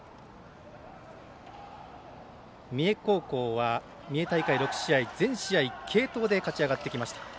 三重高校は、三重大会６試合全試合継投で勝ち上がってきました。